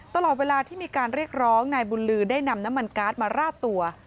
ตลอดเวลาที่มีการเรียกร้องนายบุญลือได้นำน้ำมันการ์ดมาราดตัว